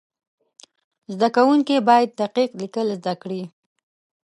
زده کوونکي باید دقیق لیکل زده کړي.